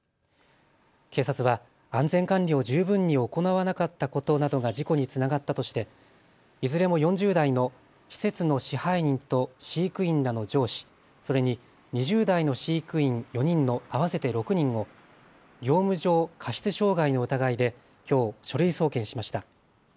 警察は安全管理を十分に行わなかったことなどが事故につながったとしていずれも４０代の施設の支配人と飼育員らの上司、それに２０代の飼育員４人の合わせて６人を業務上過失傷害の疑いできょう書類送検しました。